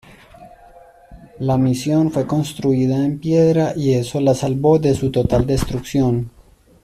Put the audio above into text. La Misión fue construida en piedra y eso la salvó de su total destrucción.